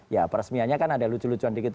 ya peresmiannya kan ada lucu lucuan dikit